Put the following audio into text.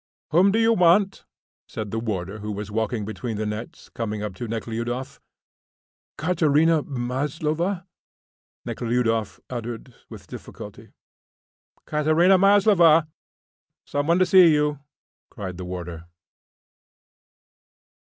"Whom do you want?" said the warder who was walking between the nets, coming up to Nekhludoff. "Katerina Maslova," Nekhludoff uttered, with difficulty. "Katerina Maslova, some one to see you," cried the warder.